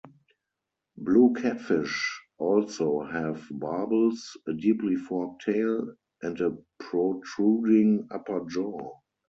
Blue catfish also have barbels, a deeply forked tail, and a protruding upper jaw.